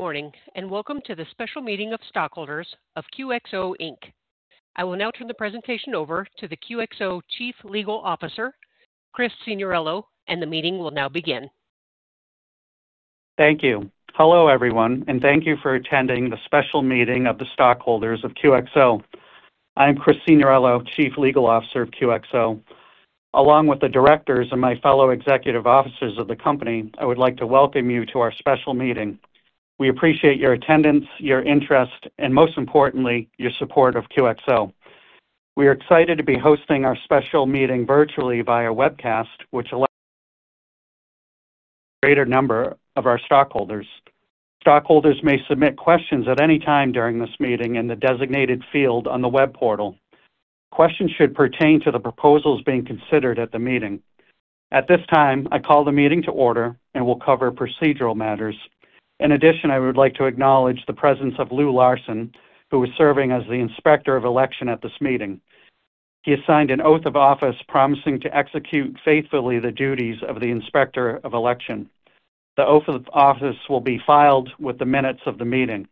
Good morning. Welcome to the special meeting of stockholders of QXO, Inc. I will now turn the presentation over to the QXO Chief Legal Officer, Chris Signorello. The meeting will now begin. Thank you. Hello, everyone. Thank you for attending the special meeting of the stockholders of QXO. I am Chris Signorello, Chief Legal Officer of QXO. Along with the directors and my fellow executive officers of the company, I would like to welcome you to our special meeting. We appreciate your attendance, your interest, and most importantly, your support of QXO. We are excited to be hosting our special meeting virtually via webcast, which allows a greater number of our stockholders. Stockholders may submit questions at any time during this meeting in the designated field on the web portal. Questions should pertain to the proposals being considered at the meeting. At this time, I call the meeting to order and we'll cover procedural matters. In addition, I would like to acknowledge the presence of Lou Larson, who is serving as the Inspector of Election at this meeting. He has signed an oath of office promising to execute faithfully the duties of the Inspector of Election. The oath of office will be filed with the minutes of the meeting.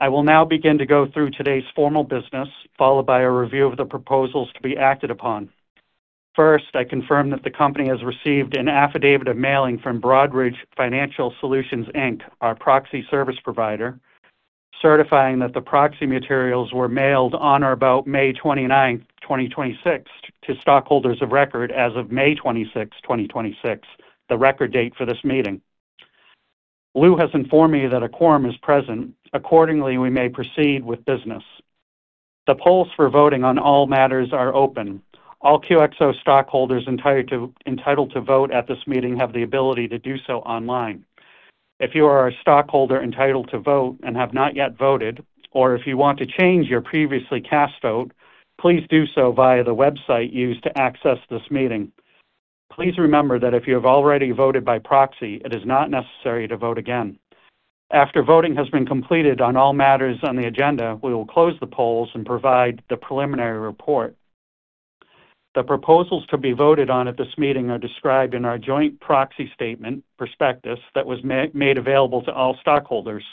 I will now begin to go through today's formal business, followed by a review of the proposals to be acted upon. First, I confirm that the company has received an affidavit of mailing from Broadridge Financial Solutions, Inc., our proxy service provider, certifying that the proxy materials were mailed on or about May 29th, 2026 to stockholders of record as of May 26th, 2026, the record date for this meeting. Lou has informed me that a quorum is present. Accordingly, we may proceed with business. The polls for voting on all matters are open. All QXO stockholders entitled to vote at this meeting have the ability to do so online. If you are a stockholder entitled to vote and have not yet voted, or if you want to change your previously cast vote, please do so via the website used to access this meeting. Please remember that if you have already voted by proxy, it is not necessary to vote again. After voting has been completed on all matters on the agenda, we will close the polls and provide the preliminary report. The proposals to be voted on at this meeting are described in our joint proxy statement prospectus that was made available to all stockholders.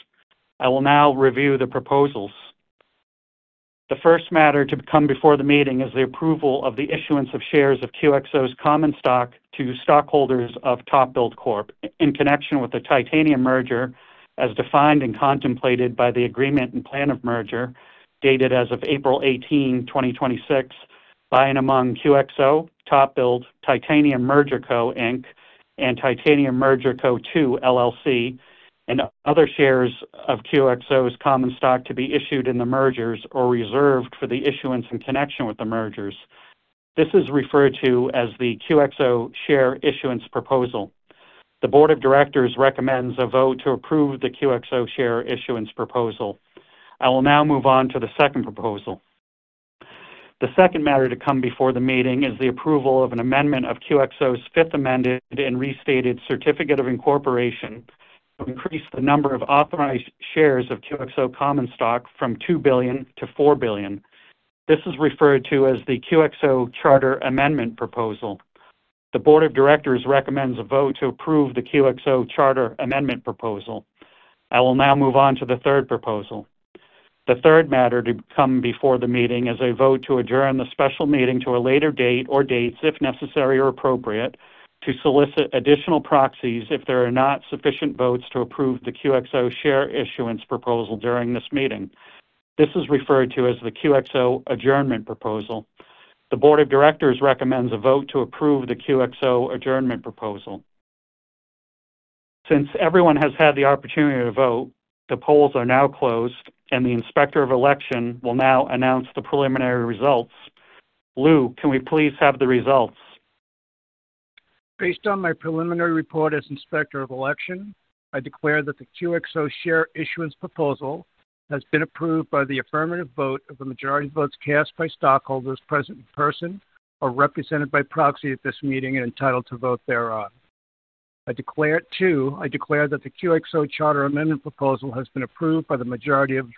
I will now review the proposals. The first matter to come before the meeting is the approval of the issuance of shares of QXO's common stock to stockholders of TopBuild Corp. in connection with the Titanium merger as defined and contemplated by the agreement and plan of merger dated as of April 18, 2026 by and among QXO, TopBuild, Titanium Merger Co. Inc., and Titanium Merger Co. 2 LLC, and other shares of QXO's common stock to be issued in the mergers or reserved for the issuance in connection with the mergers. This is referred to as the QXO Share Issuance Proposal. The board of directors recommends a vote to approve the QXO Share Issuance Proposal. I will now move on to the second proposal. The second matter to come before the meeting is the approval of an amendment of QXO's Fifth Amended and Restated Certificate of Incorporation to increase the number of authorized shares of QXO common stock from 2 billion to 4 billion. This is referred to as the QXO Charter Amendment Proposal. The board of directors recommends a vote to approve the QXO Charter Amendment Proposal. I will now move on to the third proposal. The third matter to come before the meeting is a vote to adjourn the special meeting to a later date or dates, if necessary or appropriate, to solicit additional proxies if there are not sufficient votes to approve the QXO Share Issuance Proposal during this meeting. This is referred to as the QXO Adjournment Proposal. The board of directors recommends a vote to approve the QXO Adjournment Proposal. Since everyone has had the opportunity to vote, the polls are now closed, and the Inspector of Election will now announce the preliminary results. Lou, can we please have the results? Based on my preliminary report as Inspector of Election, I declare that the QXO Share Issuance Proposal has been approved by the affirmative vote of the majority of votes cast by stockholders present in person or represented by proxy at this meeting and entitled to vote thereon. 2. I declare that the QXO Charter Amendment Proposal has been approved by the majority of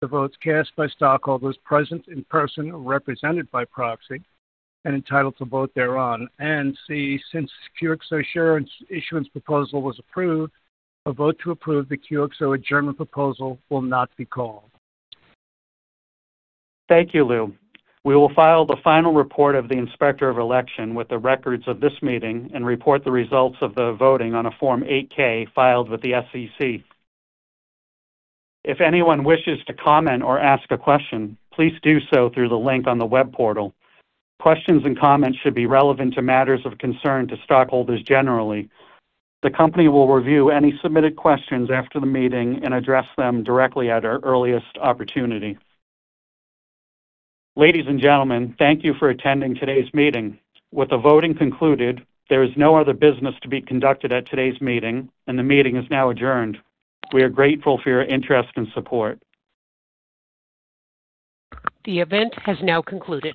the votes cast by stockholders present in person or represented by proxy and entitled to vote thereon. C, since QXO Share Issuance Proposal was approved, a vote to approve the QXO Adjournment Proposal will not be called. Thank you, Lou. We will file the final report of the Inspector of Election with the records of this meeting and report the results of the voting on a Form 8-K filed with the SEC. If anyone wishes to comment or ask a question, please do so through the link on the web portal. Questions and comments should be relevant to matters of concern to stockholders generally. The company will review any submitted questions after the meeting and address them directly at our earliest opportunity. Ladies and gentlemen, thank you for attending today's meeting. With the voting concluded, there is no other business to be conducted at today's meeting and the meeting is now adjourned. We are grateful for your interest and support. The event has now concluded.